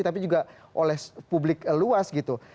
tapi juga oleh publik luas gitu